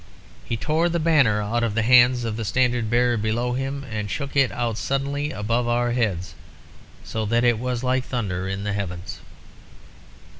He tore the banner out of the hands of the standard bearer below him, and shook it out suddenly above our heads, so that it was like thunder in the heavens.